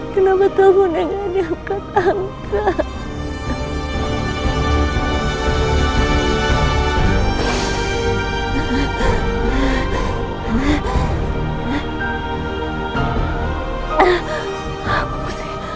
jangan diangkat angkat